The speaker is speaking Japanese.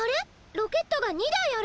ロケットが２だいある！